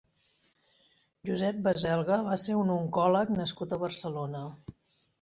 Josep Baselga va ser un oncòleg nascut a Barcelona.